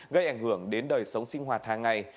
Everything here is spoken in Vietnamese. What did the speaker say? gây ảnh hưởng đến đời sống sinh hoạt hàng ngày